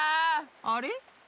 あれ？